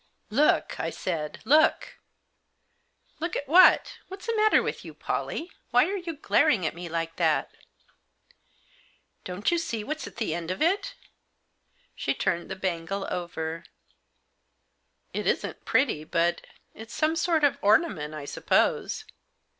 'LOOK!" I said. "Look!" "Look at what? What's the matter with you, Pollie ? Why are you glaring at me like that ?"" Dbn't you see what's at the end of it ?" She turned the bangle over. " It isn't pretty, but — it's some sort of ornament, I suppose."